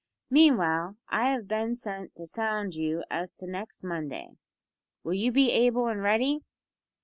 Meanwhile I have been sent to sound you as to Monday next. Will you be able and ready?"